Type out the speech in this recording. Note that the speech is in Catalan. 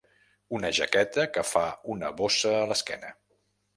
Una jaqueta que fa una bossa a l'esquena.